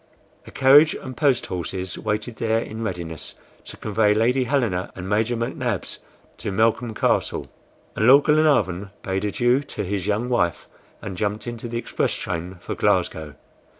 A carriage and post horses waited there, in readiness to convey Lady Helena and Major McNabbs to Malcolm Castle, and Lord Glenarvan bade adieu to his young wife, and jumped into the express train for Glasgow.